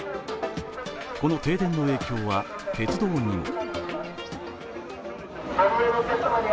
この停電の影響は鉄道にも。